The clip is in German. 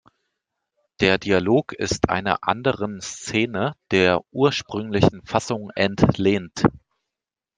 Der Dialog ist einer anderen Szene der ursprünglichen Fassung entlehnt.